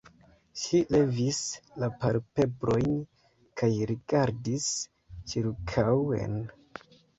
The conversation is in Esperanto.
Ŝi levis la palpebrojn kaj rigardis ĉirkaŭen.